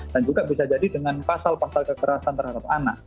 dan juga bisa jadi dengan pasal pasal kekerasan terhadap anak